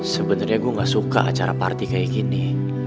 sebenarnya gue gak suka acara party kayak gini